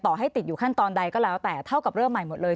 ให้ติดอยู่ขั้นตอนใดก็แล้วแต่เท่ากับเริ่มใหม่หมดเลย